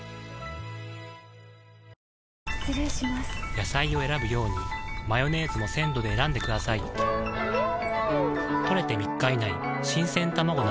野菜を選ぶようにマヨネーズも鮮度で選んでくださいん！